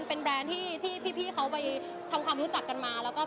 เป็นแบรนด์ที่พี่พี่เขาทำคำพูดมากน่าลูกมาก